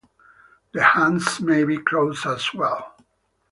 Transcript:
The hands may be crossed as well.